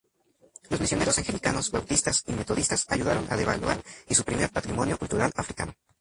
Los misioneros anglicanos, bautistas y metodistas ayudaron a devaluar y suprimir patrimonio cultural africano.